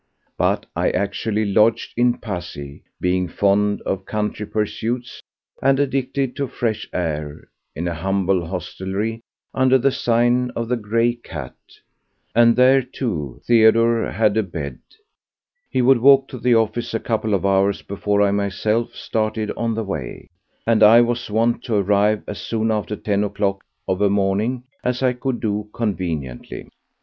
But I actually lodged in Passy—being fond of country pursuits and addicted to fresh air—in a humble hostelry under the sign of the "Grey Cat"; and here, too, Theodore had a bed. He would walk to the office a couple of hours before I myself started on the way, and I was wont to arrive as soon after ten o'clock of a morning as I could do conveniently.